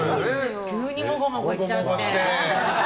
急にもごもごしちゃって！